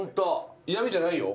嫌みじゃないよ。